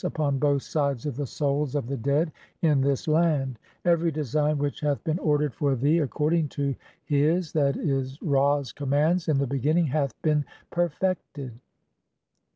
"(22) upon both sides of the souls (23) of the dead in this "land ; every (24) design which hath been ordered for thee ac cording to his (/. e., Ra's) commands in the beginning hath "been perfected.